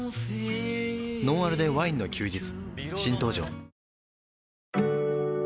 「ノンアルでワインの休日」